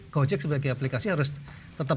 gojek sebagai aplikasi harus tetap